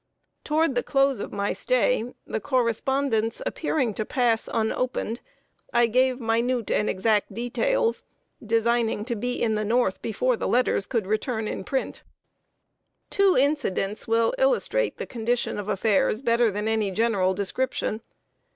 Toward the close of my stay, the correspondence appearing to pass unopened, I gave minute and exact details, designing to be in the North before the letters could return in print. [Sidenote: A PHILADELPHIAN AMONG THE REBELS.] Two incidents will illustrate the condition of affairs better than any general description.